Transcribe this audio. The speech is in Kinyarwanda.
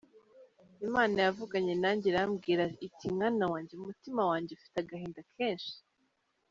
Imana yavuganye nanjye irambwira iti mwana wanjye, umutima wanjye ufite agahinda kenshi.